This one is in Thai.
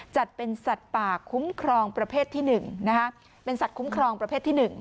จัดเป็นสัตว์ปากคุ้มครองประเภทที่หนึ่งนะฮะเป็นสัตว์คุ้มครองประเภทที่หนึ่ง